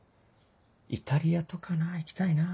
イタリアとかなぁ行きたいなぁ。